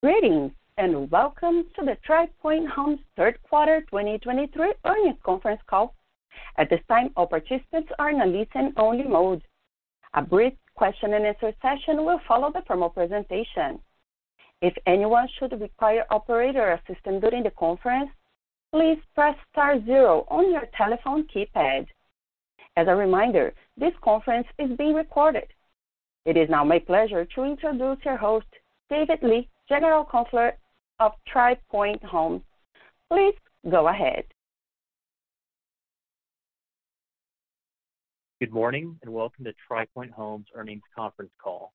Greetings, and welcome to the Tri Pointe Homes third quarter 2023 earnings conference call. At this time, all participants are in a listen-only mode. A brief question-and-answer session will follow the formal presentation. If anyone should require operator assistance during the conference, please press star zero on your telephone keypad. As a reminder, this conference is being recorded. It is now my pleasure to introduce your host, David Lee, General Counsel of Tri Pointe Homes. Please go ahead. Good morning, and welcome to Tri Pointe Homes earnings conference call.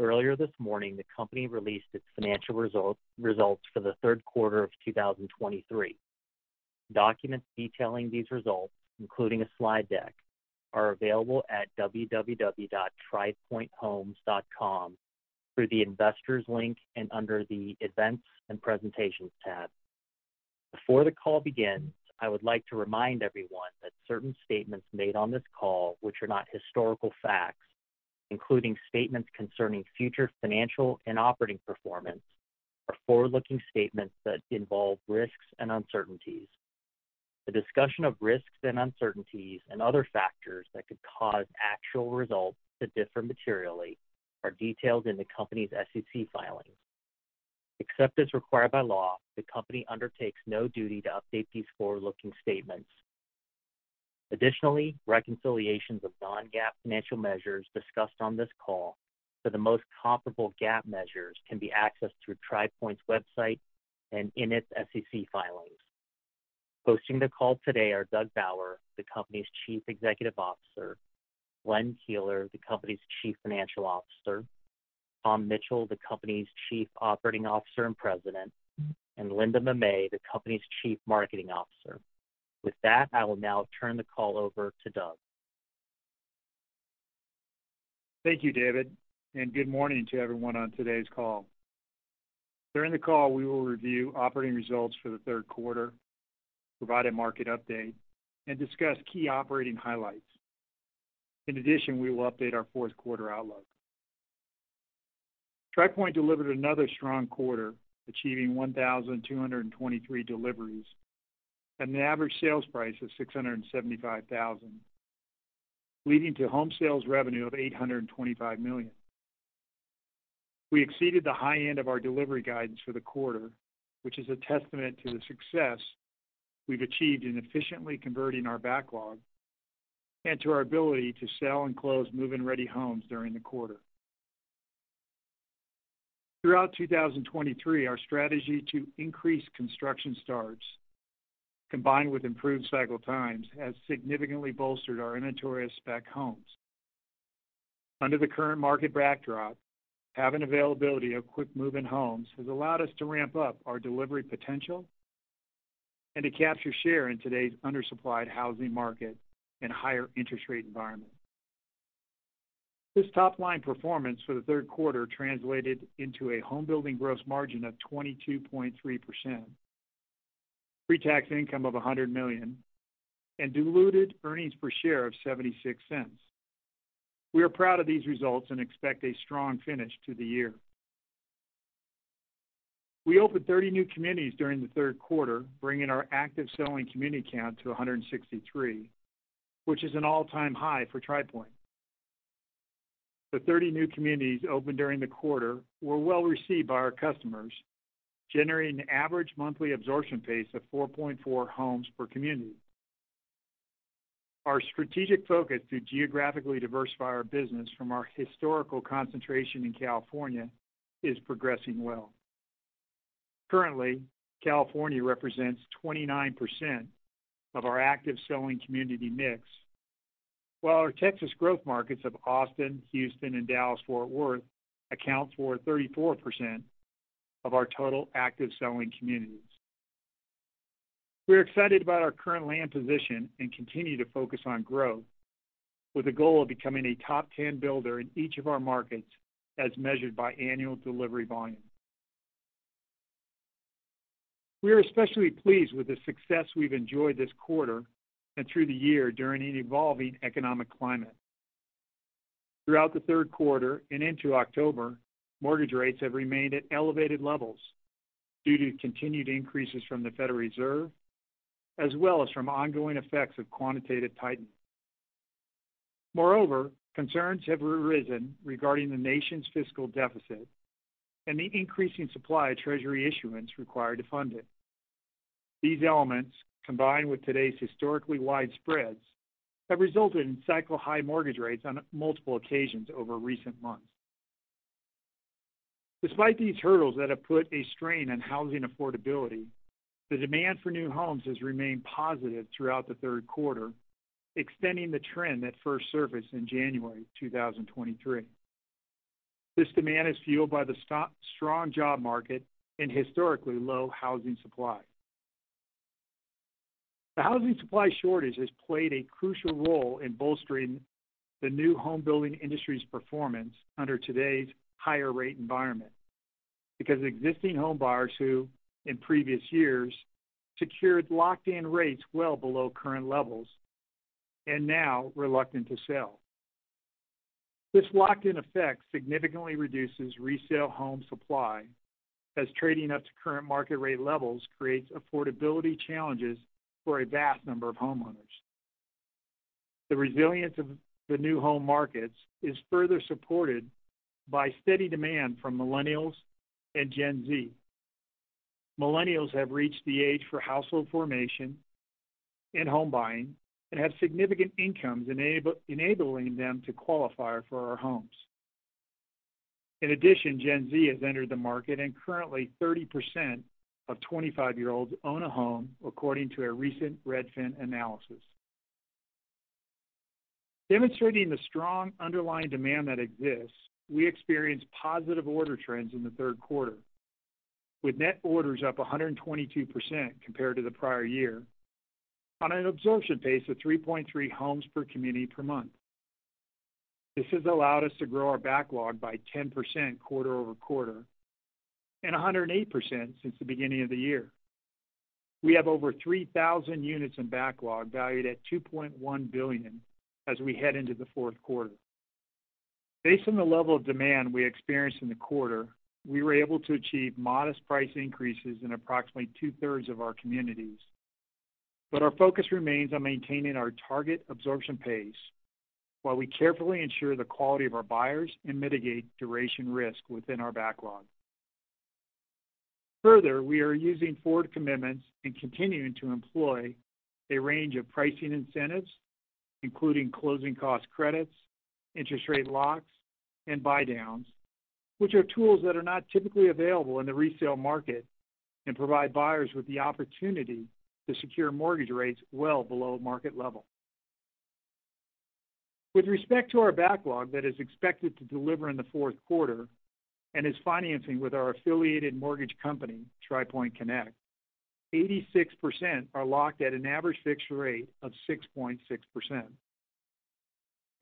Earlier this morning, the company released its financial results for the third quarter of 2023. Documents detailing these results, including a slide deck, are available at www.tripointehomes.com through the investors link and under the Events and Presentations tab. Before the call begins, I would like to remind everyone that certain statements made on this call, which are not historical facts, including statements concerning future financial and operating performance, are forward-looking statements that involve risks and uncertainties. A discussion of risks and uncertainties and other factors that could cause actual results to differ materially are detailed in the company's SEC filings. Except as required by law, the company undertakes no duty to update these forward-looking statements. Additionally, reconciliations of non-GAAP financial measures discussed on this call for the most comparable GAAP measures can be accessed through Tri Pointe's website and in its SEC filings. Hosting the call today are Doug Bauer, the company's Chief Executive Officer, Glenn Keeler, the company's Chief Financial Officer, Tom Mitchell, the company's Chief Operating Officer and President, and Linda Mamet, the company's Chief Marketing Officer. With that, I will now turn the call over to Doug. Thank you, David, and good morning to everyone on today's call. During the call, we will review operating results for the third quarter, provide a market update, and discuss key operating highlights. In addition, we will update our fourth quarter outlook. Tri Pointe delivered another strong quarter, achieving 1,223 deliveries at an average sales price of $675,000, leading to home sales revenue of $825 million. We exceeded the high end of our delivery guidance for the quarter, which is a testament to the success we've achieved in efficiently converting our backlog and to our ability to sell and close move-in-ready homes during the quarter. Throughout 2023, our strategy to increase construction starts, combined with improved cycle times, has significantly bolstered our inventory of spec homes. Under the current market backdrop, having availability of quick move-in homes has allowed us to ramp up our delivery potential and to capture share in today's undersupplied housing market and higher interest rate environment. This top-line performance for the third quarter translated into a homebuilding gross margin of 22.3%, pre-tax income of $100 million, and diluted earnings per share of $0.76. We are proud of these results and expect a strong finish to the year. We opened 30 new communities during the third quarter, bringing our active selling community count to 163, which is an all-time high for Tri Pointe. The 30 new communities opened during the quarter were well-received by our customers, generating an average monthly absorption pace of 4.4 homes per community. Our strategic focus to geographically diversify our business from our historical concentration in California is progressing well. Currently, California represents 29% of our active selling community mix, while our Texas growth markets of Austin, Houston, and Dallas-Fort Worth account for 34% of our total active selling communities. We are excited about our current land position and continue to focus on growth, with a goal of becoming a top 10 builder in each of our markets as measured by annual delivery volume. We are especially pleased with the success we've enjoyed this quarter and through the year during an evolving economic climate. Throughout the third quarter and into October, mortgage rates have remained at elevated levels due to continued increases from the Federal Reserve, as well as from ongoing effects of quantitative tightening. Moreover, concerns have arisen regarding the nation's fiscal deficit and the increasing supply of Treasury issuance required to fund it. These elements, combined with today's historically wide spreads, have resulted in cycle-high mortgage rates on multiple occasions over recent months. Despite these hurdles that have put a strain on housing affordability, the demand for new homes has remained positive throughout the third quarter, extending the trend that first surfaced in January 2023. This demand is fueled by the strong job market and historically low housing supply. The housing supply shortage has played a crucial role in bolstering the new home building industry's performance under today's higher rate environment, because existing home buyers who, in previous years, secured locked-in rates well below current levels and now reluctant to sell. This locked-in effect significantly reduces resale home supply, as trading up to current market rate levels creates affordability challenges for a vast number of homeowners. The resilience of the new home markets is further supported by steady demand from Millennials and Gen Z. Millennials have reached the age for household formation and home buying and have significant incomes, enabling them to qualify for our homes. In addition, Gen Z has entered the market, and currently, 30% of 25-year-olds own a home, according to a recent Redfin analysis. Demonstrating the strong underlying demand that exists, we experienced positive order trends in the third quarter, with net orders up 122% compared to the prior year, on an absorption pace of 3.3 homes per community per month. This has allowed us to grow our backlog by 10% quarter-over-quarter, and 108% since the beginning of the year. We have over 3,000 units in backlog, valued at $2.1 billion as we head into the fourth quarter. Based on the level of demand we experienced in the quarter, we were able to achieve modest price increases in approximately two-thirds of our communities. But our focus remains on maintaining our target absorption pace, while we carefully ensure the quality of our buyers and mitigate duration risk within our backlog. Further, we are using forward commitments and continuing to employ a range of pricing incentives, including closing cost credits, interest rate locks, and buydowns, which are tools that are not typically available in the resale market and provide buyers with the opportunity to secure mortgage rates well below market level. With respect to our backlog that is expected to deliver in the fourth quarter and is financing with our affiliated mortgage company, Tri Pointe Connect, 86% are locked at an average fixed rate of 6.6%.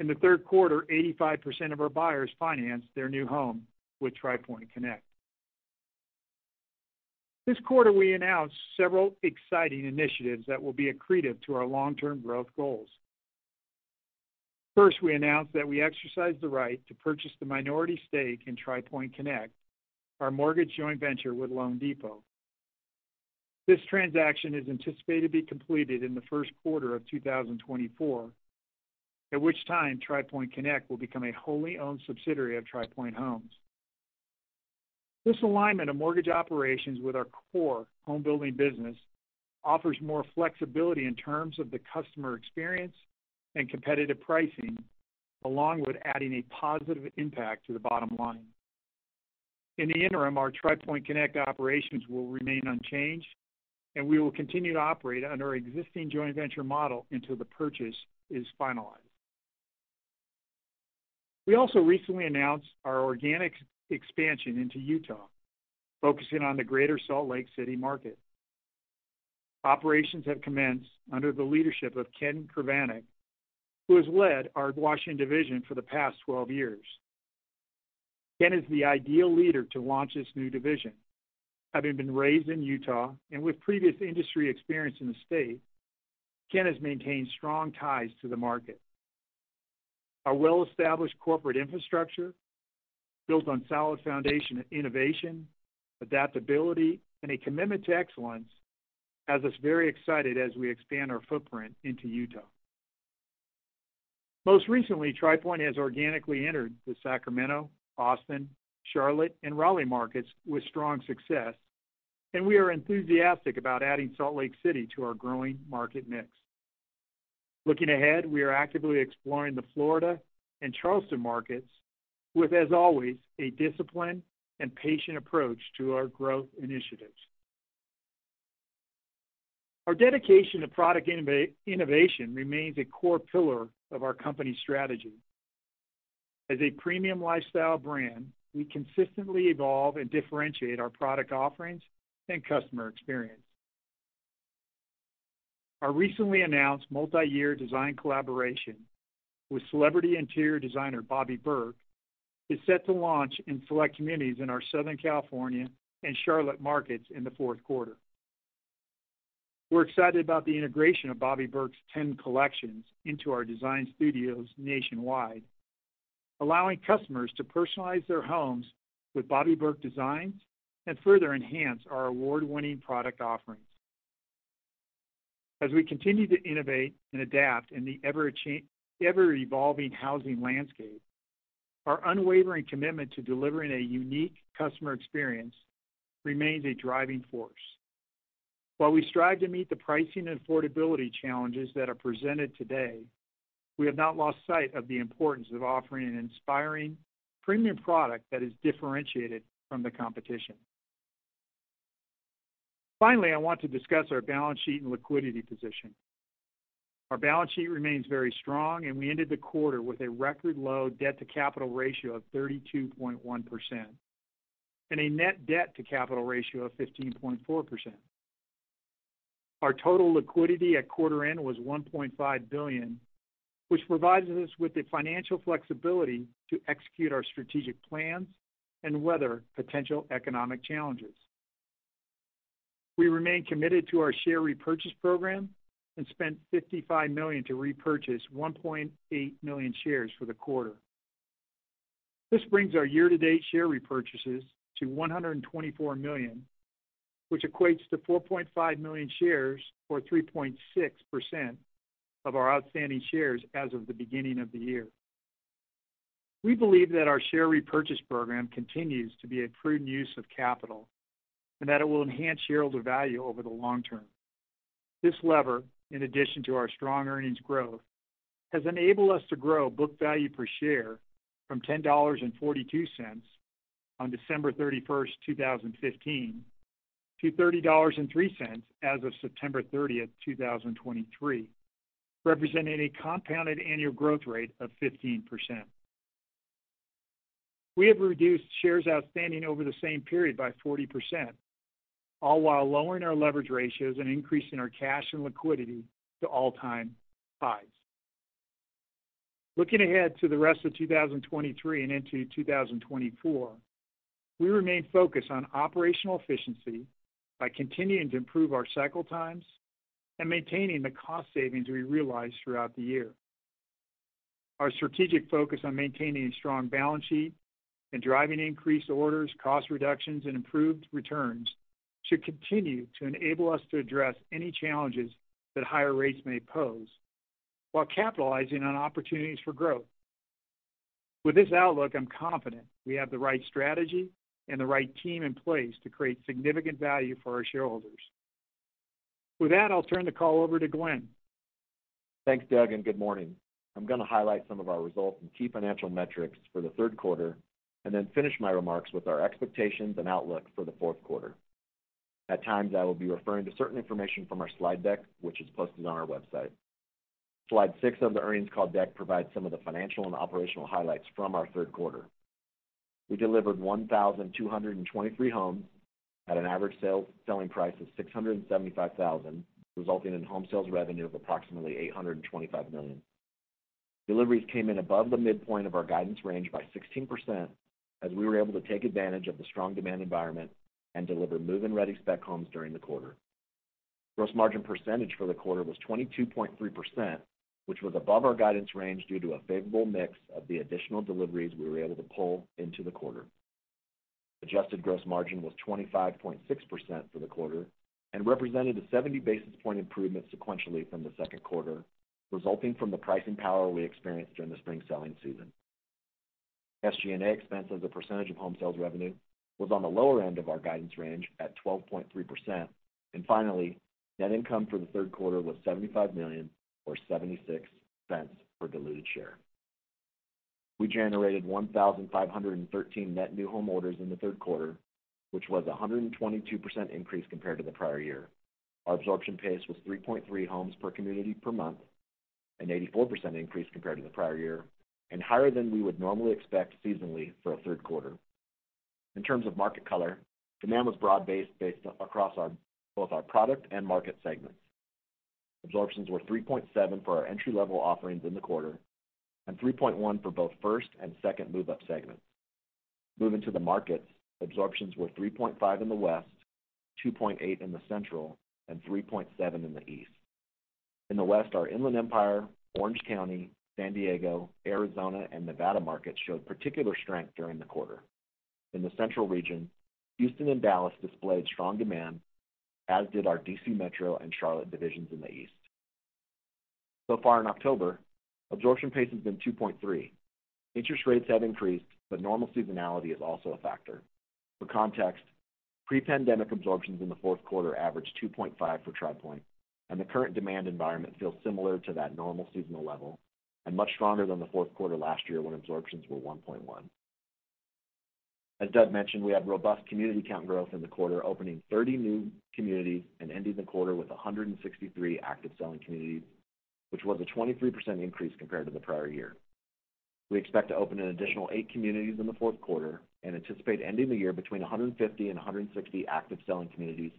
In the third quarter, 85% of our buyers financed their new home with Tri Pointe Connect. This quarter, we announced several exciting initiatives that will be accretive to our long-term growth goals. First, we announced that we exercised the right to purchase the minority stake in Tri Pointe Connect, our mortgage joint venture with loanDepot. This transaction is anticipated to be completed in the first quarter of 2024, at which time Tri Pointe Connect will become a wholly-owned subsidiary of Tri Pointe Homes. This alignment of mortgage operations with our core home building business offers more flexibility in terms of the customer experience and competitive pricing, along with adding a positive impact to the bottom line. In the interim, our Tri Pointe Connect operations will remain unchanged, and we will continue to operate under our existing joint venture model until the purchase is finalized. We also recently announced our organic expansion into Utah, focusing on the Greater Salt Lake City market. Operations have commenced under the leadership of Ken Krivanec, who has led our Washington division for the past 12 years. Ken is the ideal leader to launch this new division. Having been raised in Utah and with previous industry experience in the state, Ken has maintained strong ties to the market. Our well-established corporate infrastructure, built on solid foundation of innovation, adaptability, and a commitment to excellence, has us very excited as we expand our footprint into Utah. Most recently, Tri Pointe has organically entered the Sacramento, Austin, Charlotte, and Raleigh markets with strong success, and we are enthusiastic about adding Salt Lake City to our growing market mix. Looking ahead, we are actively exploring the Florida and Charleston markets with, as always, a disciplined and patient approach to our growth initiatives. Our dedication to product innovation remains a core pillar of our company's strategy. As a premium lifestyle brand, we consistently evolve and differentiate our product offerings and customer experience. Our recently announced multiyear design collaboration with celebrity interior designer Bobby Berk is set to launch in select communities in our Southern California and Charlotte markets in the fourth quarter. We're excited about the integration of Bobby Berk's 10 collections into our design studios nationwide, allowing customers to personalize their homes with Bobby Berk designs and further enhance our award-winning product offerings. As we continue to innovate and adapt in the ever-evolving housing landscape, our unwavering commitment to delivering a unique customer experience remains a driving force. While we strive to meet the pricing and affordability challenges that are presented today, we have not lost sight of the importance of offering an inspiring, premium product that is differentiated from the competition. Finally, I want to discuss our balance sheet and liquidity position. Our balance sheet remains very strong, and we ended the quarter with a record-low debt-to-capital ratio of 32.1% and a net debt-to-capital ratio of 15.4%. Our total liquidity at quarter end was $1.5 billion, which provides us with the financial flexibility to execute our strategic plans and weather potential economic challenges. We remain committed to our share repurchase program and spent $55 million to repurchase 1.8 million shares for the quarter. This brings our year-to-date share repurchases to $124 million, which equates to 4.5 million shares, or 3.6% of our outstanding shares as of the beginning of the year. We believe that our share repurchase program continues to be a prudent use of capital and that it will enhance shareholder value over the long term. This lever, in addition to our strong earnings growth, has enabled us to grow book value per share from $10.42 on December 31st, 2015, to $30.03 as of September 30th, 2023, representing a compounded annual growth rate of 15%. We have reduced shares outstanding over the same period by 40%, all while lowering our leverage ratios and increasing our cash and liquidity to all-time highs. Looking ahead to the rest of 2023 and into 2024, we remain focused on operational efficiency by continuing to improve our cycle times and maintaining the cost savings we realized throughout the year. Our strategic focus on maintaining a strong balance sheet and driving increased orders, cost reductions, and improved returns should continue to enable us to address any challenges that higher rates may pose while capitalizing on opportunities for growth. With this outlook, I'm confident we have the right strategy and the right team in place to create significant value for our shareholders. With that, I'll turn the call over to Glenn. Thanks, Doug, and good morning. I'm going to highlight some of our results and key financial metrics for the third quarter and then finish my remarks with our expectations and outlook for the fourth quarter. At times, I will be referring to certain information from our slide deck, which is posted on our website. Slide six of the earnings call deck provides some of the financial and operational highlights from our third quarter. We delivered 1,223 homes at an average selling price of $675,000, resulting in home sales revenue of approximately $825 million. Deliveries came in above the midpoint of our guidance range by 16%, as we were able to take advantage of the strong demand environment and deliver move-in-ready spec homes during the quarter. Gross margin percentage for the quarter was 22.3%, which was above our guidance range due to a favorable mix of the additional deliveries we were able to pull into the quarter. Adjusted gross margin was 25.6% for the quarter and represented a 70 basis point improvement sequentially from the second quarter, resulting from the pricing power we experienced during the spring selling season. SG&A expense as a percentage of home sales revenue was on the lower end of our guidance range at 12.3%. And finally, net income for the third quarter was $75 million, or $0.76 per diluted share. We generated 1,513 net new home orders in the third quarter, which was a 122% increase compared to the prior year. Our absorption pace was 3.3 homes per community per month, an 84% increase compared to the prior year, and higher than we would normally expect seasonally for a third quarter. In terms of market color, demand was broad-based across both our product and market segments. Absorptions were 3.7 for our entry-level offerings in the quarter and 3.1 for both first and second move-up segments. Moving to the markets, absorptions were 3.5 in the West, 2.8 in the Central, and 3.7 in the East. In the West, our Inland Empire, Orange County, San Diego, Arizona, and Nevada markets showed particular strength during the quarter. In the Central region, Houston and Dallas displayed strong demand, as did our DC Metro and Charlotte divisions in the East. So far in October, absorption pace has been 2.3. Interest rates have increased, but normal seasonality is also a factor. For context, pre-pandemic absorptions in the fourth quarter averaged 2.5 for Tri Pointe, and the current demand environment feels similar to that normal seasonal level and much stronger than the fourth quarter last year, when absorptions were 1.1. As Doug mentioned, we had robust community count growth in the quarter, opening 30 new communities and ending the quarter with 163 active selling communities, which was a 23% increase compared to the prior year. We expect to open an additional eight communities in the fourth quarter and anticipate ending the year between 150 and 160 active selling communities,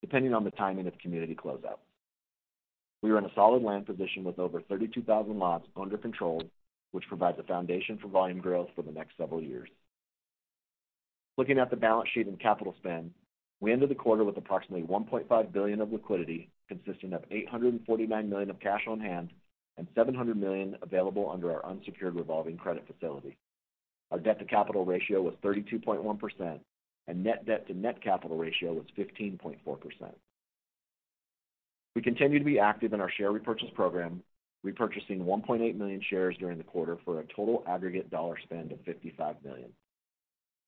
depending on the timing of community closeout. We are in a solid land position with over 32,000 lots under control, which provides a foundation for volume growth for the next several years. Looking at the balance sheet and capital spend, we ended the quarter with approximately $1.5 billion of liquidity, consisting of $849 million of cash on hand and $700 million available under our unsecured revolving credit facility. Our debt-to-capital ratio was 32.1%, and net debt to net capital ratio was 15.4%. We continue to be active in our share repurchase program, repurchasing 1.8 million shares during the quarter for a total aggregate dollar spend of $55 million.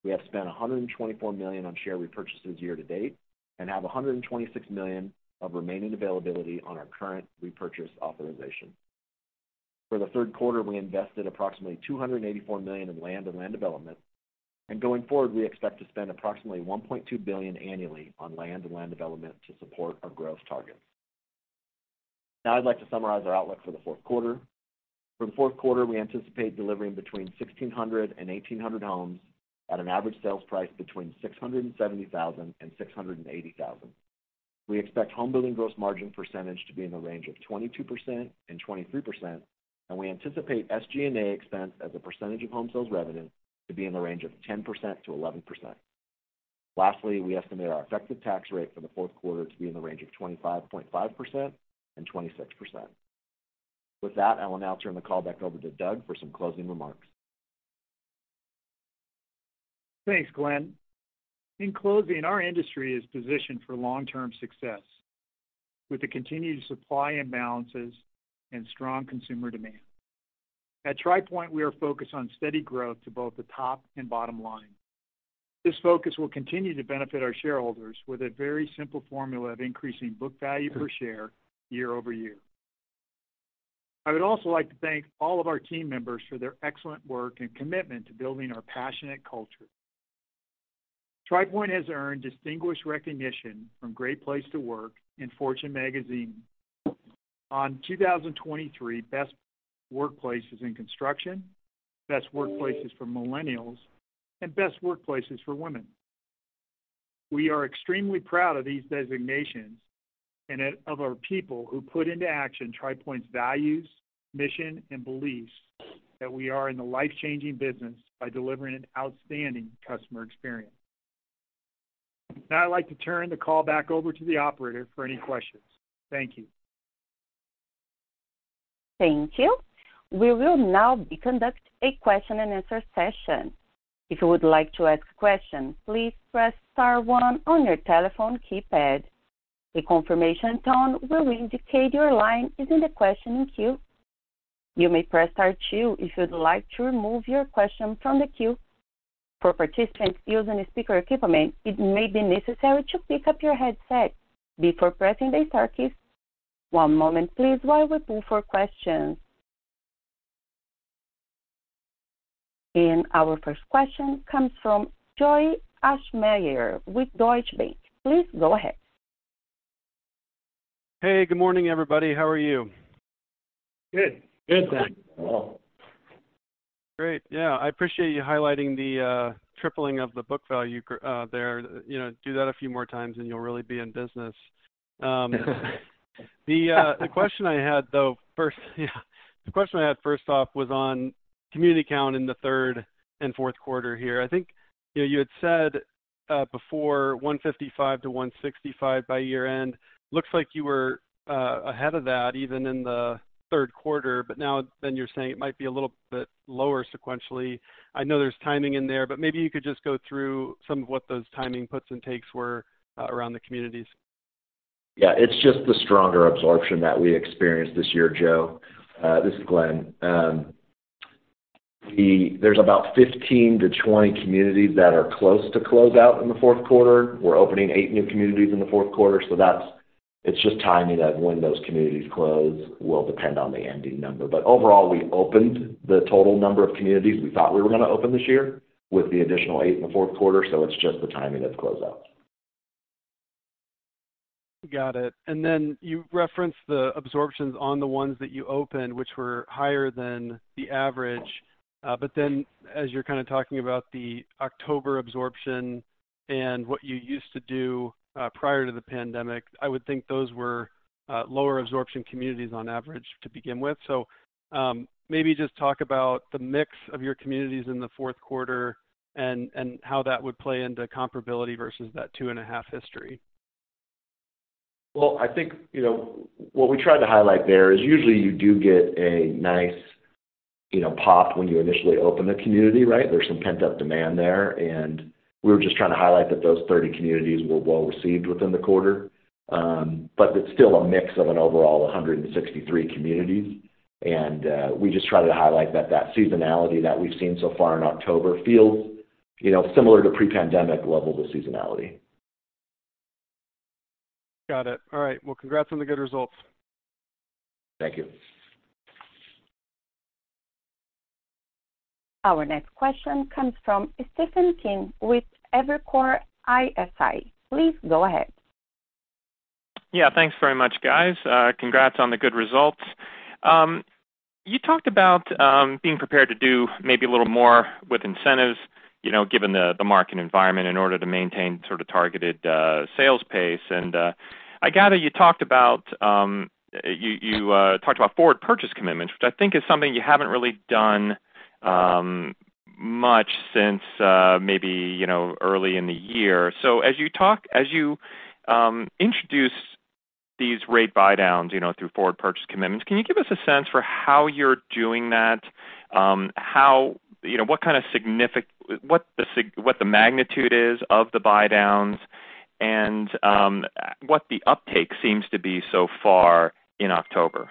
We have spent $124 million on share repurchases year to date and have $126 million of remaining availability on our current repurchase authorization. For the third quarter, we invested approximately $284 million in land and land development, and going forward, we expect to spend approximately $1.2 billion annually on land and land development to support our growth targets. Now I'd like to summarize our outlook for the fourth quarter. For the fourth quarter, we anticipate delivering between 1,600 and 1,800 homes at an average sales price between $670,000 and $680,000. We expect homebuilding gross margin percentage to be in the range of 22% and 23%... and we anticipate SG&A expense as a percentage of home sales revenue to be in the range of 10% to 11%. Lastly, we estimate our effective tax rate for the fourth quarter to be in the range of 25.5% and 26%. With that, I will now turn the call back over to Doug for some closing remarks. Thanks, Glenn. In closing, our industry is positioned for long-term success with the continued supply imbalances and strong consumer demand. At Tri Pointe, we are focused on steady growth to both the top and bottom line. This focus will continue to benefit our shareholders with a very simple formula of increasing book value per share year-over-year. I would also like to thank all of our team members for their excellent work and commitment to building our passionate culture. Tri Pointe has earned distinguished recognition from Great Place to Work in Fortune Magazine on 2023 Best Workplaces in Construction, Best Workplaces for Millennials, and Best Workplaces for Women. We are extremely proud of these designations and of our people who put into action Tri Pointe's values, mission, and beliefs, that we are in the life-changing business by delivering an outstanding customer experience. Now, I'd like to turn the call back over to the operator for any questions. Thank you. Thank you. We will now conduct a question-and-answer session. If you would like to ask a question, please press star one on your telephone keypad. A confirmation tone will indicate your line is in the questioning queue. You may press star two if you'd like to remove your question from the queue. For participants using speaker equipment, it may be necessary to pick up your headset before pressing the star keys. One moment, please, while we poll for questions. And our first question comes from Joe Ahlersmeyer with Deutsche Bank. Please go ahead. Hey, good morning, everybody. How are you? Good. Good, thanks. Hello. Great. Yeah, I appreciate you highlighting the tripling of the book value there. You know, do that a few more times, and you'll really be in business. The question I had, though, first off was on community count in the third and fourth quarter here. I think, you know, you had said before, 155 to 165 by year-end. Looks like you were ahead of that even in the third quarter, but now then you're saying it might be a little bit lower sequentially. I know there's timing in there, but maybe you could just go through some of what those timing puts and takes were around the communities. Yeah, it's just the stronger absorption that we experienced this year, Joe. This is Glenn. There's about 15-20 communities that are close to close out in the fourth quarter. We're opening eight new communities in the fourth quarter, so that's, it's just timing that when those communities close will depend on the ending number. But overall, we opened the total number of communities we thought we were going to open this year, with the additional eight in the fourth quarter. So it's just the timing of close out. Got it. And then you referenced the absorptions on the ones that you opened, which were higher than the average. But then as you're kind of talking about the October absorption and what you used to do, prior to the pandemic, I would think those were lower absorption communities on average to begin with. So, maybe just talk about the mix of your communities in the fourth quarter and how that would play into comparability versus that 2.5 communities history. Well, I think, you know, what we tried to highlight there is usually you do get a nice, you know, pop when you initially open the community, right? There's some pent-up demand there, and we were just trying to highlight that those 30 communities were well received within the quarter. But it's still a mix of an overall 163 communities. And we just try to highlight that seasonality that we've seen so far in October feels, you know, similar to pre-pandemic levels of seasonality. Got it. All right. Well, congrats on the good results. Thank you. Our next question comes from Stephen Kim with Evercore ISI. Please go ahead. Yeah, thanks very much, guys. Congrats on the good results. You talked about being prepared to do maybe a little more with incentives, you know, given the market environment, in order to maintain sort of targeted sales pace. I gather you talked about forward purchase commitments, which I think is something you haven't really done much since maybe, you know, early in the year. So as you introduce these rate buydowns, you know, through forward purchase commitments, can you give us a sense for how you're doing that? You know, what the magnitude is of the buydowns and what the uptake seems to be so far in October?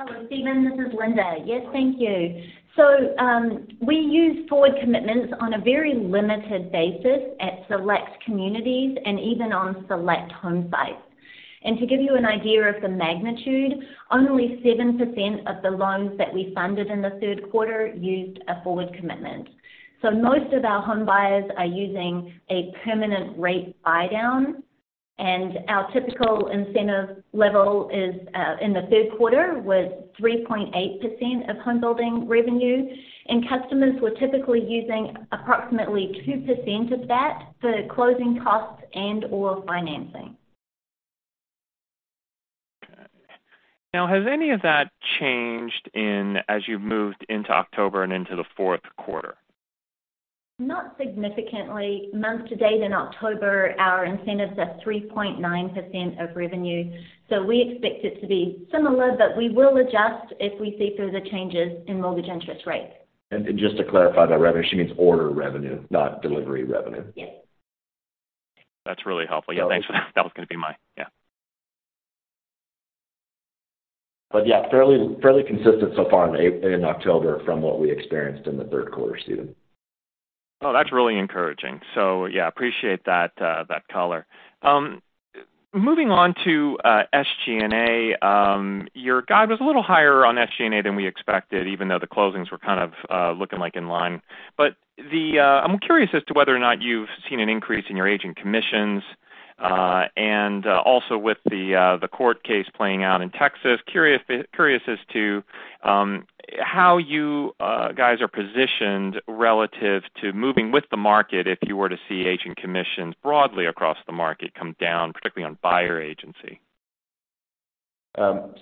Hello, Stephen, this is Linda. Yes, thank you. So, we use forward commitments on a very limited basis at select communities and even on select home sites. And to give you an idea of the magnitude, only 7% of the loans that we funded in the third quarter used a forward commitment. So most of our home buyers are using a permanent rate buydown, and our typical incentive level is, in the third quarter, was 3.8% of homebuilding revenue, and customers were typically using approximately 2% of that for closing costs and/or financing. Now, has any of that changed in, as you've moved into October and into the fourth quarter? Not significantly. Month-to-date in October, our incentives are 3.9% of revenue, so we expect it to be similar, but we will adjust if we see further changes in mortgage interest rates. Just to clarify that revenue, she means order revenue, not delivery revenue. Yes. That's really helpful. Yeah, thanks for that. That was going to be my... Yeah. But yeah, fairly, fairly consistent so far in October from what we experienced in the third quarter, Stephen. Oh, that's really encouraging. So yeah, appreciate that, that color. Moving on to SG&A, your guide was a little higher on SG&A than we expected, even though the closings were kind of looking like in line. But the... I'm curious as to whether or not you've seen an increase in your agent commissions, and also with the court case playing out in Texas, curious as to how you guys are positioned relative to moving with the market if you were to see agent commissions broadly across the market come down, particularly on buyer agency.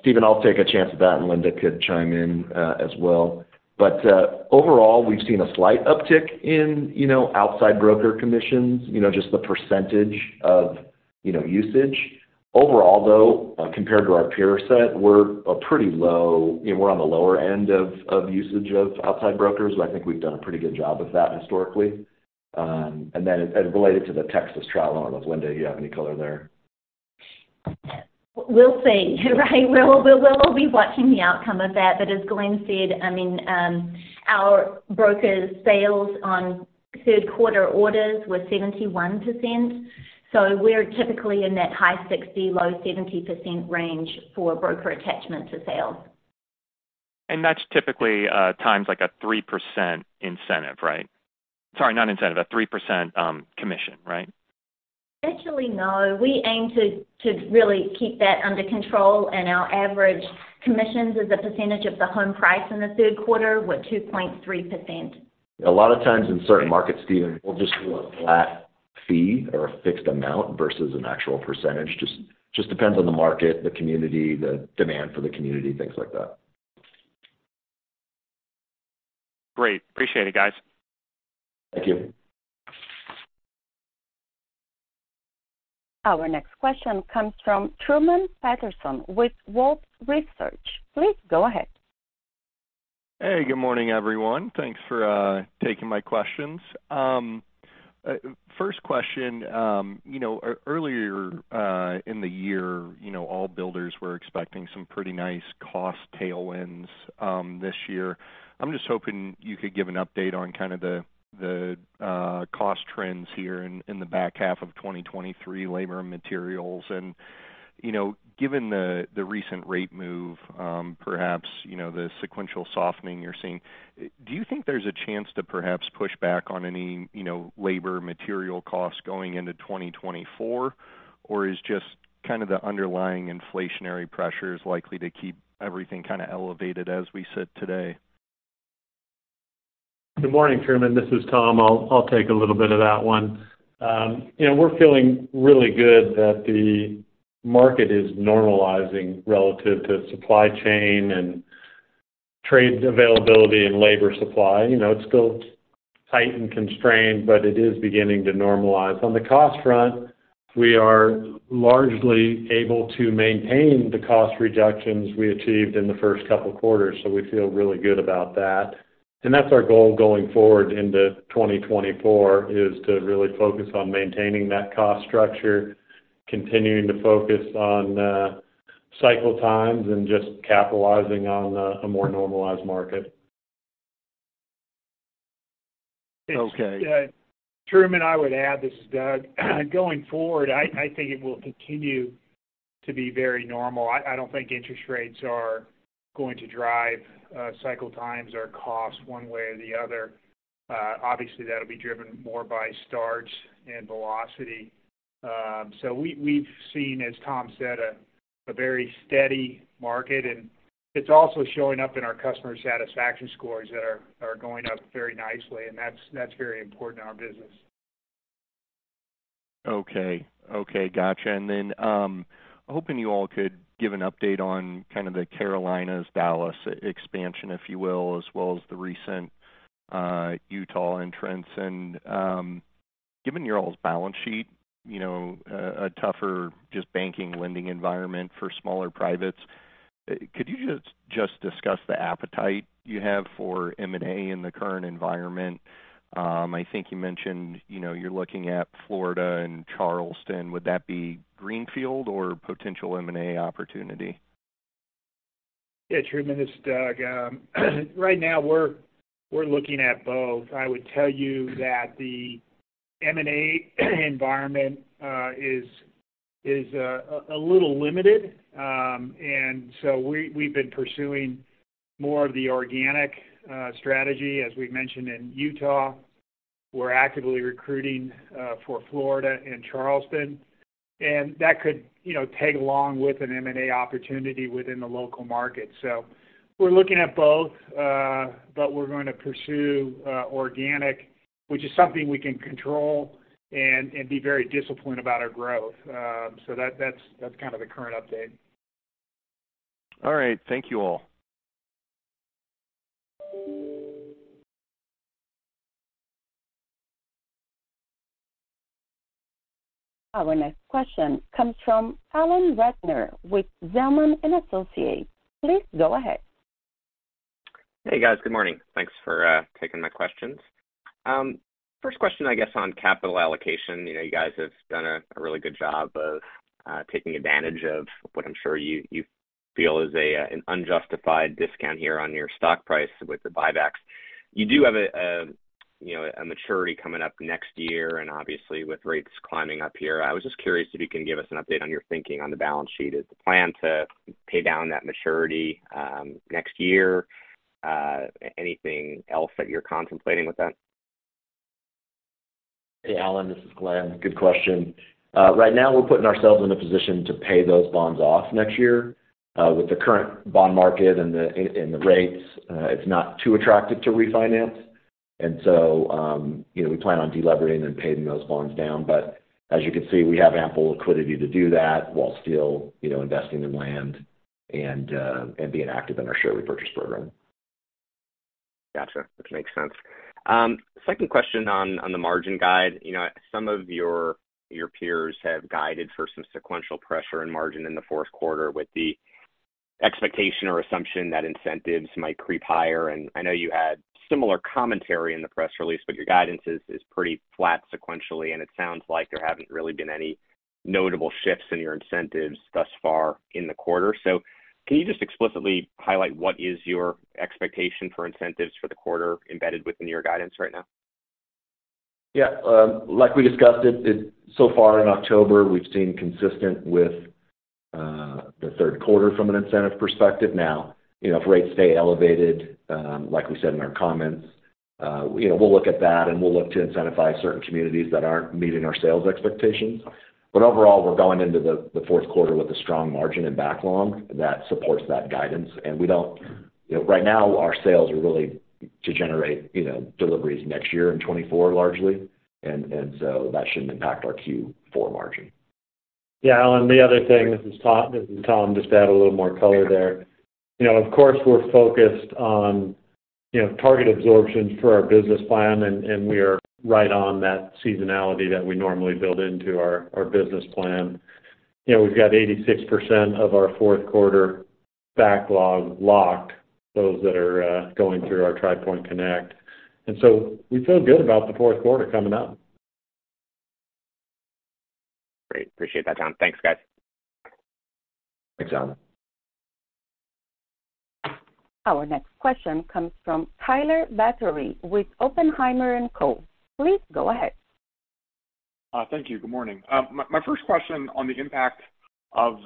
Stephen, I'll take a chance at that, and Linda could chime in, as well. Overall, we've seen a slight uptick in, you know, outside broker commissions, you know, just the percentage of, you know, usage. Overall, though, compared to our peer set, we're a pretty low... We're on the lower end of, of usage of outside brokers. I think we've done a pretty good job of that historically. And then as related to the Texas trial, I don't know, Linda, do you have any color there? We'll see, right? We'll be watching the outcome of that. But as Glenn said, I mean, our brokers' sales on third quarter orders were 71%, so we're typically in that high 60%, low 70% range for broker attachment to sales. That's typically times like a 3% incentive, right? Sorry, not incentive, a 3% commission, right? Actually, no. We aim to really keep that under control, and our average commissions as a percentage of the home price in the third quarter were 2.3%. A lot of times in certain markets, Stephen, we'll just do a flat fee or a fixed amount versus an actual percentage. Just, depends on the market, the community, the demand for the community, things like that. Great. Appreciate it, guys. Thank you. Our next question comes from Truman Patterson with Wolfe Research. Please go ahead. Hey, good morning, everyone. Thanks for taking my questions. First question, you know, earlier in the year, you know, all builders were expecting some pretty nice cost tailwinds, this year. I'm just hoping you could give an update on kind of the cost trends here in the back half of 2023, labor and materials. And, you know, given the recent rate move, perhaps, you know, the sequential softening you're seeing, do you think there's a chance to perhaps push back on any, you know, labor, material costs going into 2024? Or is just kind of the underlying inflationary pressures likely to keep everything kind of elevated as we sit today? Good morning, Truman. This is Tom. I'll take a little bit of that one. You know, we're feeling really good that the market is normalizing relative to supply chain and trade availability and labor supply. You know, it's still tight and constrained, but it is beginning to normalize. On the cost front, we are largely able to maintain the cost reductions we achieved in the first couple of quarters, so we feel really good about that. That's our goal going forward into 2024, is to really focus on maintaining that cost structure, continuing to focus on cycle times and just capitalizing on a more normalized market. Okay. Truman, I would add, this is Doug. Going forward, I think it will continue to be very normal. I don't think interest rates are going to drive cycle times or costs one way or the other. Obviously, that'll be driven more by starts and velocity. So we've seen, as Tom said, a very steady market, and it's also showing up in our customer satisfaction scores that are going up very nicely, and that's very important to our business. Okay. Okay, gotcha. And then, hoping you all could give an update on kind of the Carolinas-Dallas expansion, if you will, as well as the recent, Utah entrants. And, given your all's balance sheet, you know, a tougher just banking, lending environment for smaller privates, could you just, just discuss the appetite you have for M&A in the current environment? I think you mentioned, you know, you're looking at Florida and Charleston. Would that be greenfield or potential M&A opportunity? Yeah, Truman, this is Doug. Right now, we're looking at both. I would tell you that the M&A environment is a little limited. And so we've been pursuing more of the organic strategy. As we mentioned in Utah, we're actively recruiting for Florida and Charleston, and that could, you know, tag along with an M&A opportunity within the local market. So we're looking at both, but we're going to pursue organic, which is something we can control and be very disciplined about our growth. So that's kind of the current update. All right. Thank you all. Our next question comes from Alan Ratner with Zelman & Associates. Please go ahead. Hey, guys. Good morning. Thanks for taking my questions. First question, I guess, on capital allocation. You know, you guys have done a really good job of taking advantage of what I'm sure you feel is an unjustified discount here on your stock price with the buybacks. You do have a, you know, a maturity coming up next year, and obviously, with rates climbing up here, I was just curious if you can give us an update on your thinking on the balance sheet. Is the plan to pay down that maturity next year? Anything else that you're contemplating with that? Hey, Alan, this is Glenn. Good question. Right now we're putting ourselves in a position to pay those bonds off next year. With the current bond market and the rates, it's not too attractive to refinance. And so, you know, we plan on delevering and paying those bonds down. But as you can see, we have ample liquidity to do that while still, you know, investing in land and being active in our share repurchase program. Gotcha. Which makes sense. Second question on the margin guidance. You know, some of your peers have guided for some sequential pressure and margin in the fourth quarter, with the expectation or assumption that incentives might creep higher. And I know you had similar commentary in the press release, but your guidance is pretty flat sequentially, and it sounds like there haven't really been any notable shifts in your incentives thus far in the quarter. So can you just explicitly highlight what is your expectation for incentives for the quarter embedded within your guidance right now? Yeah, like we discussed, so far in October, we've seen consistent with the third quarter from an incentive perspective. Now, you know, if rates stay elevated, like we said in our comments, you know, we'll look at that, and we'll look to incentivize certain communities that aren't meeting our sales expectations. But overall, we're going into the fourth quarter with a strong margin and backlog that supports that guidance, and we don't... You know, right now, our sales are really to generate, you know, deliveries next year in 2024, largely. And so that shouldn't impact our Q4 margin. Yeah, Alan, the other thing, this is Tom, just to add a little more color there. You know, of course, we're focused on, you know, target absorption for our business plan, and, and we are right on that seasonality that we normally build into our, our business plan. You know, we've got 86% of our fourth quarter backlog locked, those that are going through our Tri Pointe Connect. And so we feel good about the fourth quarter coming up. Great. Appreciate that, Tom. Thanks, guys. Thanks, Alan. Our next question comes from Tyler Batory with Oppenheimer and Co. Please go ahead. Thank you. Good morning. My first question on the impact of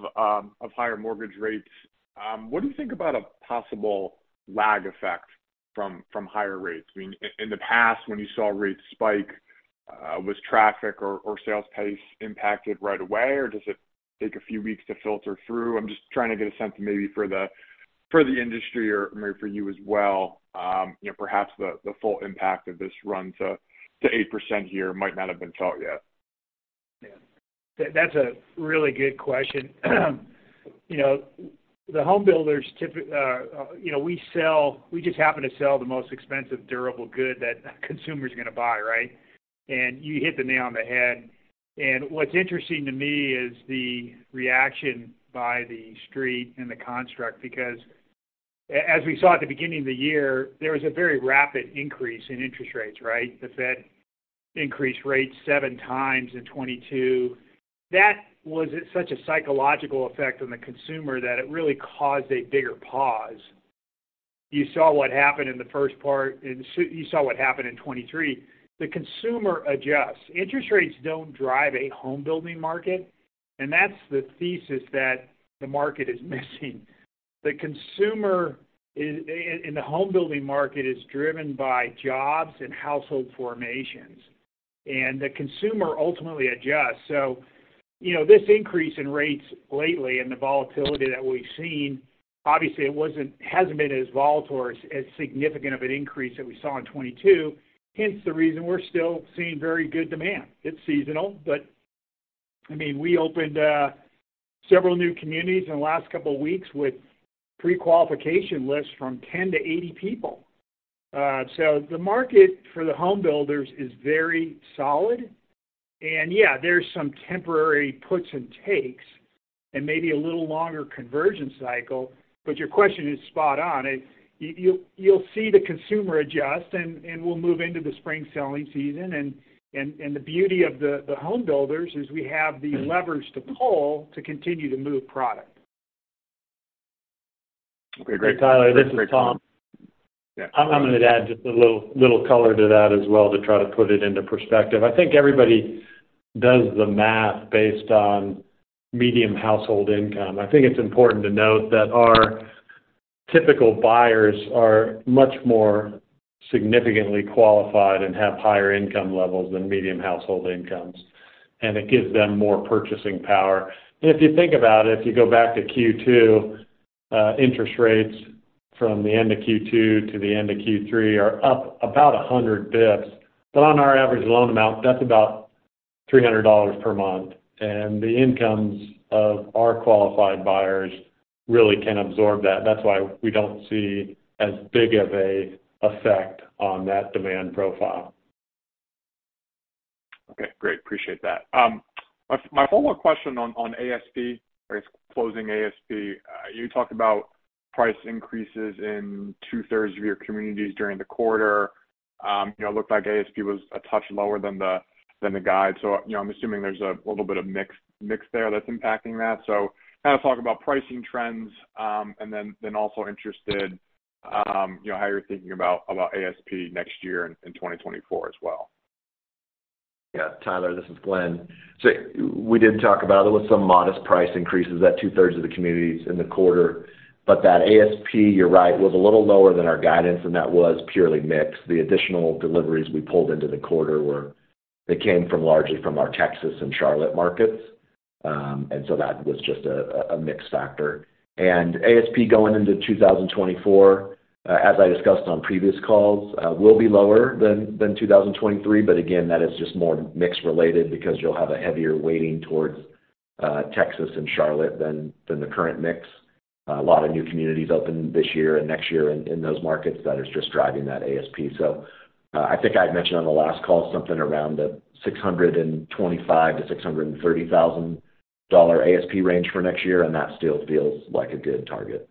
higher mortgage rates. What do you think about a possible lag effect from higher rates? I mean, in the past, when you saw rates spike, was traffic or sales pace impacted right away, or does it take a few weeks to filter through? I'm just trying to get a sense of maybe for the industry or maybe for you as well, you know, perhaps the full impact of this run to 8% here might not have been felt yet. Yeah. That's a really good question. You know, the homebuilders typically, you know, we sell- we just happen to sell the most expensive durable good that a consumer is going to buy, right? And you hit the nail on the head. And what's interesting to me is the reaction by the street and the construct, because as we saw at the beginning of the year, there was a very rapid increase in interest rates, right? The Fed increased rates seven times in 2022. That was such a psychological effect on the consumer that it really caused a bigger pause. You saw what happened in the first part, and so you saw what happened in 2023. The consumer adjusts. Interest rates don't drive a home building market, and that's the thesis that the market is missing. The consumer, in the home building market, is driven by jobs and household formations, and the consumer ultimately adjusts. So, you know, this increase in rates lately and the volatility that we've seen, obviously it hasn't been as volatile or as significant of an increase that we saw in 2022, hence the reason we're still seeing very good demand. It's seasonal, but, I mean, we opened several new communities in the last couple of weeks with prequalification lists from 10-80 people. So the market for the homebuilders is very solid. And, yeah, there's some temporary puts and takes and maybe a little longer conversion cycle, but your question is spot on. You'll see the consumer adjust and we'll move into the spring selling season. And the beauty of the homebuilders is we have the leverage to pull to continue to move product. Okay, great. Tyler, this is Tom. I'm going to add just a little color to that as well to try to put it into perspective. I think everybody does the math based on median household income. I think it's important to note that our typical buyers are much more significantly qualified and have higher income levels than median household incomes, and it gives them more purchasing power. And if you think about it, if you go back to Q2, interest rates from the end of Q2 to the end of Q3 are up about 100 basis points. But on our average loan amount, that's about $300 per month, and the incomes of our qualified buyers really can absorb that. That's why we don't see as big of an effect on that demand profile. Okay, great. Appreciate that. My follow-up question on ASP, or closing ASP. You talked about price increases in 2/3 of your communities during the quarter. You know, it looked like ASP was a touch lower than the guide. So, you know, I'm assuming there's a little bit of mix there that's impacting that. So kind of talk about pricing trends, and then also interested, you know, how you're thinking about ASP next year in 2024 as well. Yeah, Tyler, this is Glenn. So we did talk about it, with some modest price increases at two-thirds of the communities in the quarter. But that ASP, you're right, was a little lower than our guidance, and that was purely mix. The additional deliveries we pulled into the quarter were, they came from, largely from our Texas and Charlotte markets. And so that was just a mix factor. And ASP going into 2024, as I discussed on previous calls, will be lower than 2023. But again, that is just more mix related because you'll have a heavier weighting towards Texas and Charlotte than the current mix. A lot of new communities open this year and next year in those markets, that is just driving that ASP. So, I think I had mentioned on the last call, something around the $625,000-$630,000 ASP range for next year, and that still feels like a good target.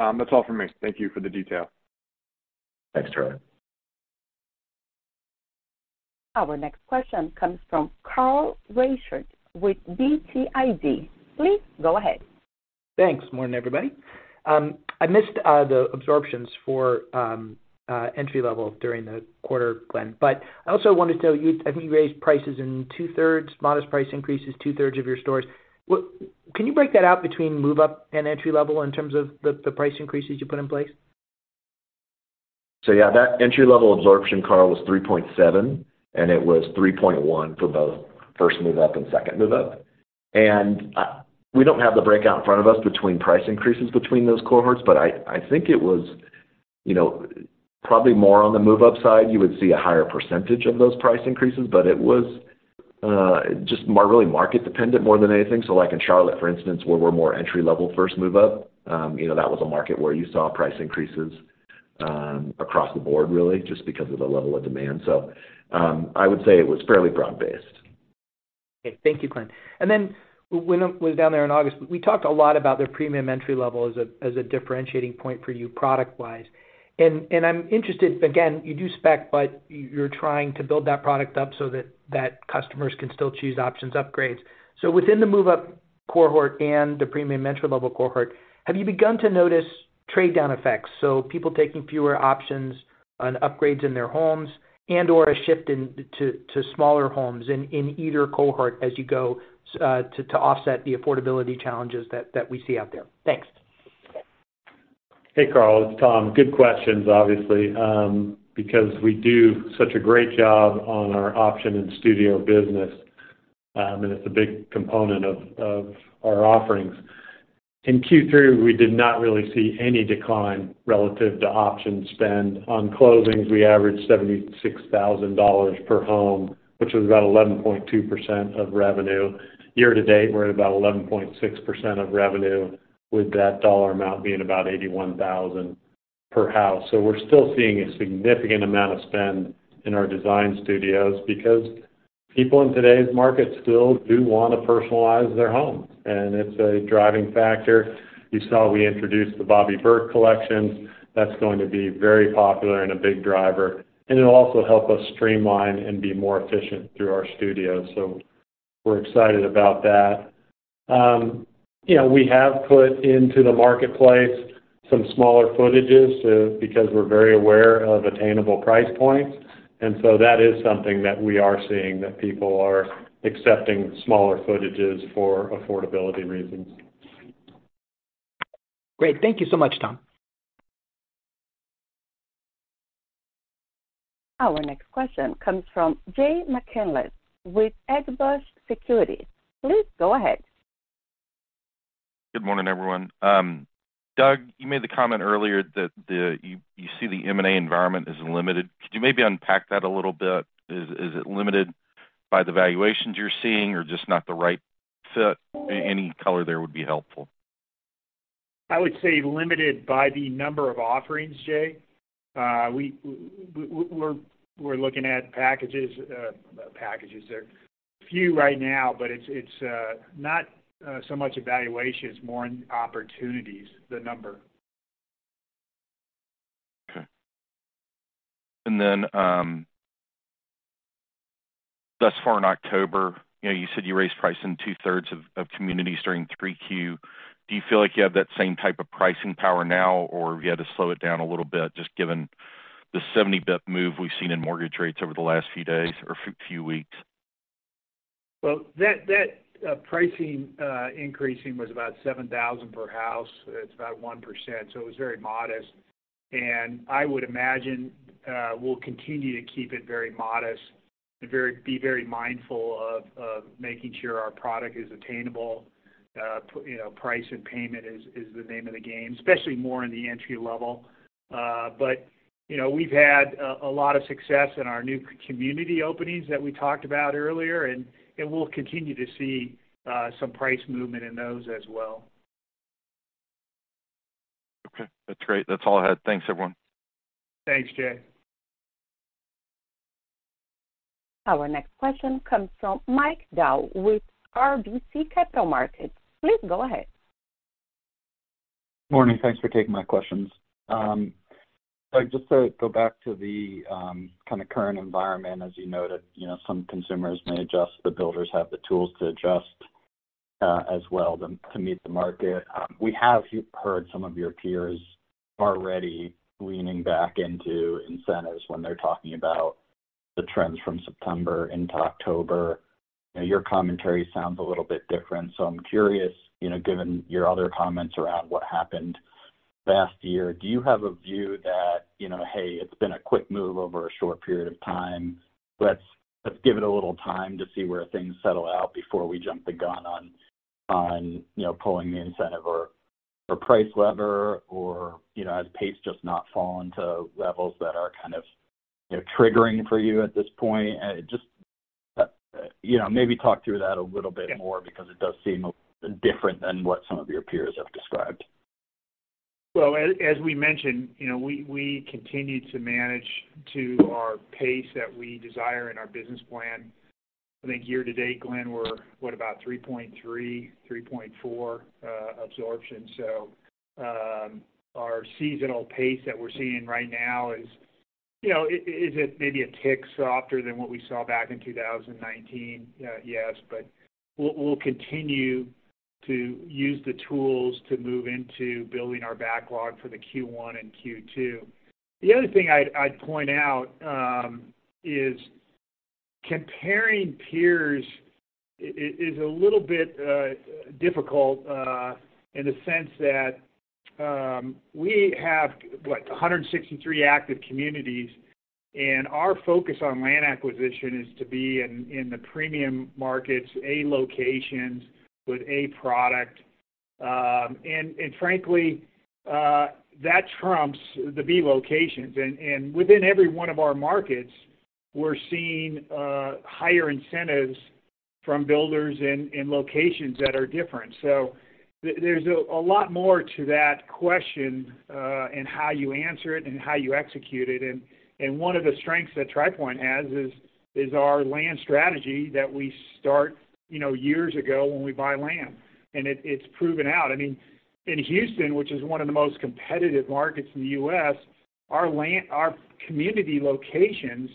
Okay. That's all for me. Thank you for the detail. Thanks, Tyler. Our next question comes from Carl Reichardt with BTIG. Please go ahead. Thanks. Morning, everybody. I missed the absorptions for entry-level during the quarter, Glenn. But I also wanted to know, I think you raised prices in 2/3, modest price increases, 2/3 of your stores. Can you break that out between move-up and entry-level in terms of the price increases you put in place? So yeah, that entry-level absorption, Carl, was 3.7, and it was 3.1 for both first move-up and second move-up. And we don't have the breakout in front of us between price increases between those cohorts, but I think it was, you know, probably more on the move-up side, you would see a higher percentage of those price increases, but it was just really market dependent more than anything. So like in Charlotte, for instance, where we're more entry-level, first move-up, you know, that was a market where you saw price increases across the board, really, just because of the level of demand. So I would say it was fairly broad-based. Okay. Thank you, Glenn. And then when I was down there in August, we talked a lot about the premium entry-level as a differentiating point for your product-wise. And I'm interested, again, you do spec, but you're trying to build that product up so that customers can still choose options, upgrades. So within the move-up cohort and the premium entry-level cohort, have you begun to notice trade-down effects? So people taking fewer options on upgrades in their homes and/or a shift into smaller homes in either cohort as you go to offset the affordability challenges that we see out there? Thanks. Hey, Carl, it's Tom. Good questions, obviously, because we do such a great job on our option and studio business, and it's a big component of, of our offerings. In Q3, we did not really see any decline relative to option spend. On closings, we averaged $76,000 per home, which was about 11.2% of revenue. Year to date, we're at about 11.6% of revenue, with that dollar amount being about $81,000 per house. So we're still seeing a significant amount of spend in our design studios because people in today's market still do want to personalize their homes, and it's a driving factor. You saw we introduced the Bobby Berk collection. That's going to be very popular and a big driver, and it'll also help us streamline and be more efficient through our studios. So we're excited about that. You know, we have put into the marketplace some smaller footages because we're very aware of attainable price points, and so that is something that we are seeing, that people are accepting smaller footages for affordability reasons. Great. Thank you so much, Tom. Our next question comes from Jay McCanless with Wedbush Securities. Please go ahead. Good morning, everyone. Doug, you made the comment earlier that you see the M&A environment as limited. Could you maybe unpack that a little bit? Is it limited by the valuations you're seeing or just not the right fit? Any color there would be helpful. I would say limited by the number of offerings, Jay. We're looking at packages, packages that are few right now, but it's not so much evaluations, more in opportunities, the number. Okay. And then, thus far in October, you know, you said you raised price in 2/3 of communities during 3Q. Do you feel like you have that same type of pricing power now, or have you had to slow it down a little bit, just given the 70 basis point move we've seen in mortgage rates over the last few days or few weeks? Well, that pricing increasing was about $7,000 per house. It's about 1%, so it was very modest. I would imagine we'll continue to keep it very modest and very be very mindful of making sure our product is attainable... You know, price and payment is the name of the game, especially more in the entry level. But you know, we've had a lot of success in our new community openings that we talked about earlier, and we'll continue to see some price movement in those as well. Okay, that's great. That's all I had. Thanks, everyone. Thanks, Jay. Our next question comes from Mike Dahl with RBC Capital Markets. Please go ahead. Morning. Thanks for taking my questions. Just to go back to the kind of current environment, as you noted, you know, some consumers may adjust, the builders have the tools to adjust, as well to meet the market. We have heard some of your peers already leaning back into incentives when they're talking about the trends from September into October. You know, your commentary sounds a little bit different. So I'm curious, you know, given your other comments around what happened last year, do you have a view that, you know, hey, it's been a quick move over a short period of time, let's, let's give it a little time to see where things settle out before we jump the gun on, on, you know, pulling the incentive or, or price lever, or, you know, has pace just not fallen to levels that are kind of, you know, triggering for you at this point? Just, you know, maybe talk through that a little bit more, because it does seem different than what some of your peers have described. Well, as we mentioned, you know, we continue to manage to our pace that we desire in our business plan. I think year-to-date, Glenn, we're what, about 3.3, 3.4 absorption. So, our seasonal pace that we're seeing right now is, you know, is it maybe a tick softer than what we saw back in 2019? Yes, but we'll continue to use the tools to move into building our backlog for the Q1 and Q2. The other thing I'd point out is comparing peers is a little bit difficult in the sense that we have what, 163 active communities, and our focus on land acquisition is to be in the premium markets, A locations with A product. And frankly, that trumps the B locations. And within every one of our markets, we're seeing higher incentives from builders in locations that are different. So there's a lot more to that question and how you answer it and how you execute it. And one of the strengths that Tri Pointe has is our land strategy that we start, you know, years ago when we buy land, and it's proven out. I mean, in Houston, which is one of the most competitive markets in the U.S., our land, our community locations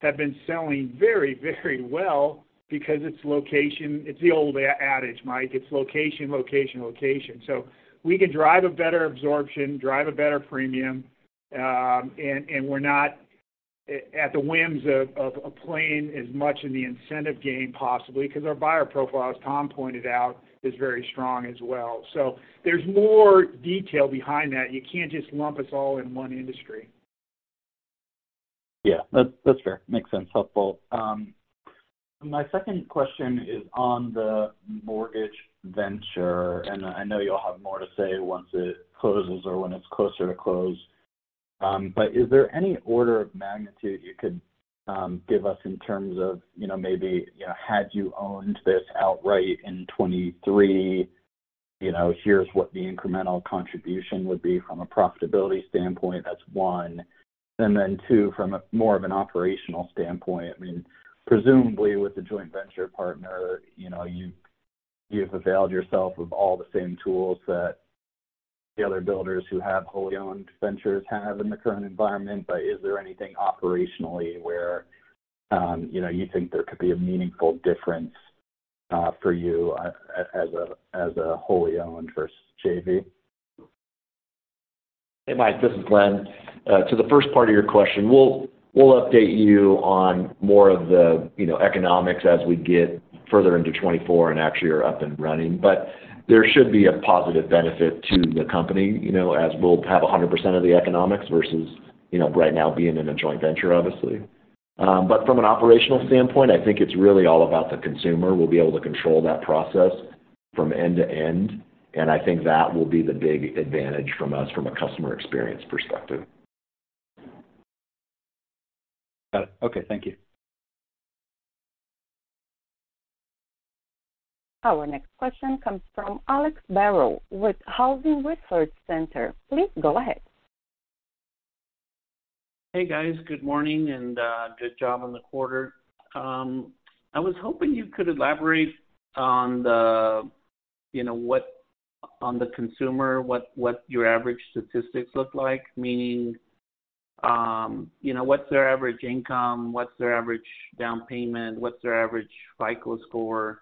have been selling very, very well because it's location. It's the old adage, Mike, it's location, location, location. So we can drive a better absorption, drive a better premium, and we're not at the whims of playing as much in the incentive game, possibly, because our buyer profile, as Tom pointed out, is very strong as well. So there's more detail behind that. You can't just lump us all in one industry. Yeah, that's, that's fair. Makes sense. Helpful. My second question is on the mortgage venture, and I know you'll have more to say once it closes or when it's closer to close. But is there any order of magnitude you could give us in terms of, you know, maybe, you know, had you owned this outright in 2023, you know, here's what the incremental contribution would be from a profitability standpoint, that's one. And then two, from a more of an operational standpoint, I mean, presumably with the joint venture partner, you know, you've, you've availed yourself of all the same tools that the other builders who have wholly owned ventures have in the current environment. But is there anything operationally where, you know, you think there could be a meaningful difference, for you as a wholly owned versus JV? Hey, Mike, this is Glenn. To the first part of your question, we'll update you on more of the, you know, economics as we get further into 2024 and actually are up and running. But there should be a positive benefit to the company, you know, as we'll have 100% of the economics versus, you know, right now being in a joint venture, obviously. But from an operational standpoint, I think it's really all about the consumer. We'll be able to control that process from end to end, and I think that will be the big advantage from us from a customer experience perspective. Got it. Okay, thank you. Our next question comes from Alex Barron with Housing Research Center. Please go ahead. Hey, guys. Good morning, and good job on the quarter. I was hoping you could elaborate on the, you know, on the consumer, what your average statistics look like. Meaning, you know, what's their average income, what's their average down payment, what's their average FICO score,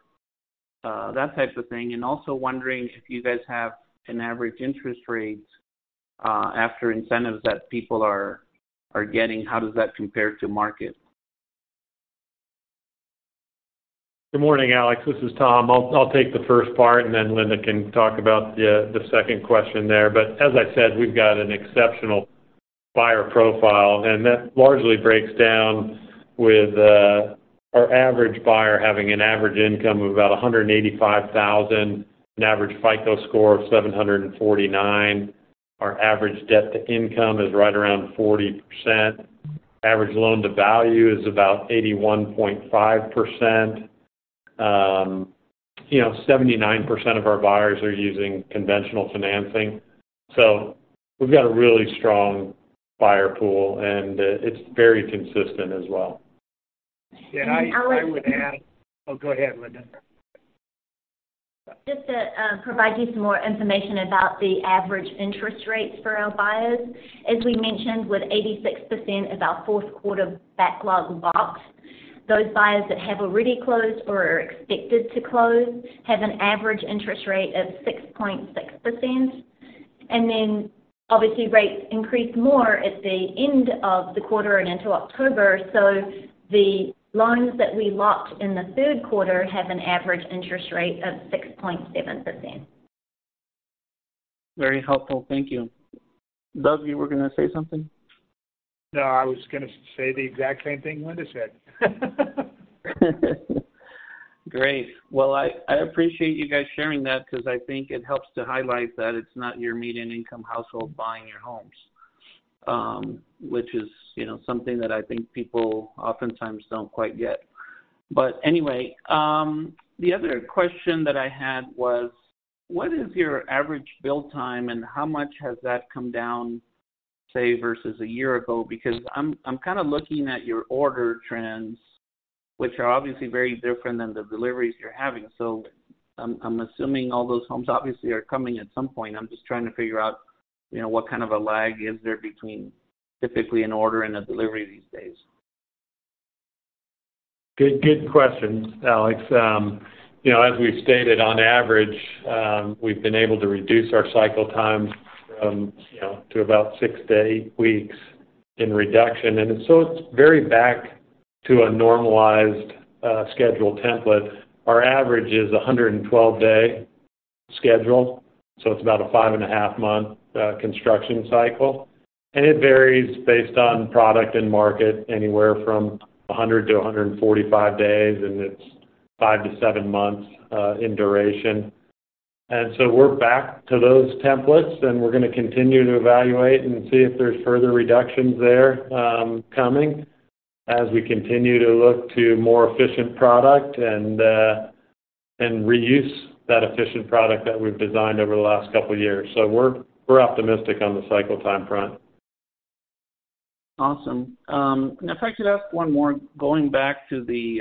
that type of thing. And also wondering if you guys have an average interest rates after incentives that people are getting, how does that compare to market? Good morning, Alex. This is Tom. I'll take the first part, and then Linda can talk about the second question there. But as I said, we've got an exceptional buyer profile, and that largely breaks down with, our average buyer having an average income of about $185,000, an average FICO score of 749. Our average debt to income is right around 40%. Average loan to value is about 81.5%. You know, 79% of our buyers are using conventional financing. So we've got a really strong buyer pool, and, it's very consistent as well. And I would add. Oh, go ahead, Linda. Just to provide you some more information about the average interest rates for our buyers. As we mentioned, with 86% of our fourth quarter backlog locked, those buyers that have already closed or are expected to close have an average interest rate of 6.6%. And then, obviously, rates increased more at the end of the quarter and into October, so the loans that we locked in the third quarter have an average interest rate of 6.7%. Very helpful. Thank you. Doug, you were going to say something? No, I was going to say the exact same thing Linda said. Great. Well, I appreciate you guys sharing that because I think it helps to highlight that it's not your median income household buying your homes, which is, you know, something that I think people oftentimes don't quite get. But anyway, the other question that I had was: what is your average build time, and how much has that come down, say, versus a year ago? Because I'm kind of looking at your order trends, which are obviously very different than the deliveries you're having. So I'm assuming all those homes obviously are coming at some point. I'm just trying to figure out, you know, what kind of a lag is there between typically an order and a delivery these days. Good, good question, Alex. You know, as we've stated, on average, we've been able to reduce our cycle times from, you know, to about six to eight weeks in reduction, and so it's very back to a normalized schedule template. Our average is a 112-day schedule, so it's about a 5.5-month construction cycle, and it varies based on product and market, anywhere from 100 to 145 days, and it's five to seven months in duration. And so we're back to those templates, and we're going to continue to evaluate and see if there's further reductions there, coming, as we continue to look to more efficient product and and reuse that efficient product that we've designed over the last couple of years. So we're optimistic on the cycle time front. Awesome. If I could ask one more, going back to the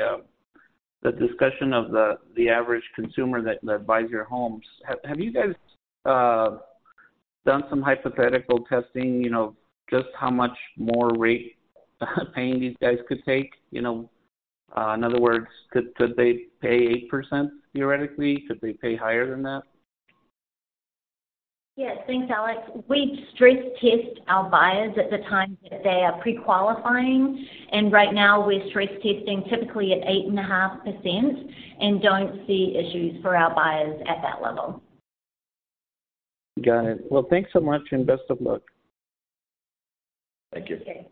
discussion of the average consumer that buys your homes. Have you guys done some hypothetical testing, you know, just how much more rate paying these guys could take? You know, in other words, could they pay 8%, theoretically? Could they pay higher than that? Yes, thanks, Alex. We stress test our buyers at the time that they are pre-qualifying, and right now, we're stress testing typically at 8.5% and don't see issues for our buyers at that level. Got it. Well, thanks so much, and best of luck. Thank you. Okay.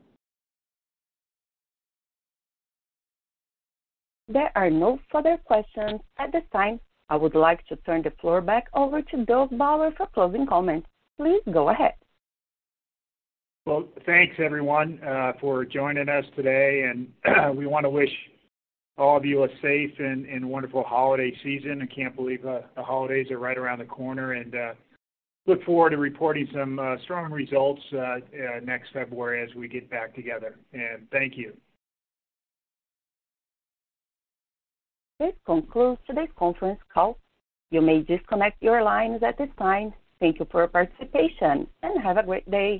There are no further questions at this time. I would like to turn the floor back over to Doug Bauer for closing comments. Please go ahead. Well, thanks, everyone, for joining us today, and we want to wish all of you a safe and wonderful holiday season. I can't believe the holidays are right around the corner, and look forward to reporting some strong results next February as we get back together. Thank you. This concludes today's conference call. You may disconnect your lines at this time. Thank you for your participation, and have a great day.